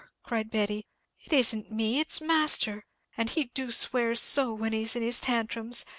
cried Betty, "it isn't me; it's master: and he do swear so when he's in his tantrums.